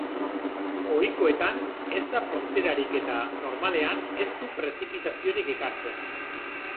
Ohikoetan, ez da fronterik eta, normalean, ez du prezipitaziorik ekartzen.